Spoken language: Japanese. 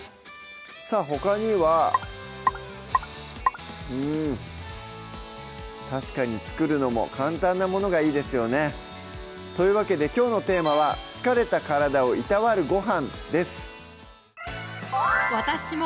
さぁほかにはうん確かに作るのも簡単なものがいいですよねというわけできょうのテーマは「疲れた体を労わるご飯」です